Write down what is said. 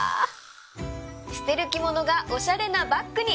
捨てる着物がおしゃれなバッグに